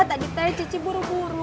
tadi tanya cici buru buru